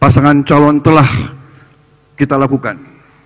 pasangan calon telah kita lakukan